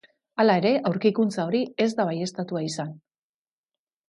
Hala ere, aurkikuntza hori ez da baieztatua izan.